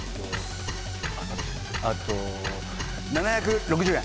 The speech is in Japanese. あと７６０円。